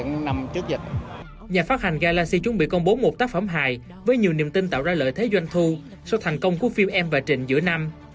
nhà phát hành galaxy chuẩn bị công bố một tác phẩm hài với nhiều niềm tin tạo ra lợi thế doanh thu sau thành công của phim em và trình giữa năm